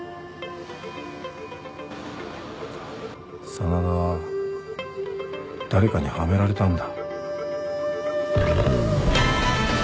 真田は誰かにはめられたんだ。